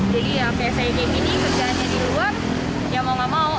jadi ya psik ini kerjaannya di luar ya mau gak mau